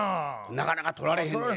なかなか取られへんで。